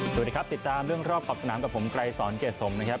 สวัสดีครับติดตามเรื่องรอบขอบสนามกับผมไกรสอนเกรดสมนะครับ